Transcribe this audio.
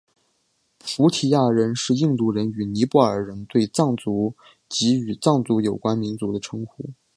菩提亚人是印度人与尼泊尔人对藏族及与藏族有关民族的称呼。